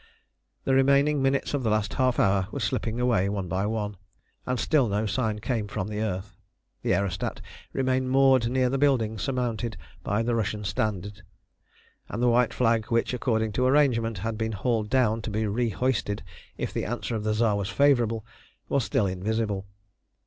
The remaining minutes of the last half hour were slipping away one by one, and still no sign came from the earth. The aerostat remained moored near the building surmounted by the Russian standard, and the white flag, which, according to arrangement, had been hauled down to be re hoisted if the answer of the Tsar was favourable, was still invisible.